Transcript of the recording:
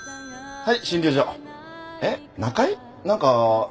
はい。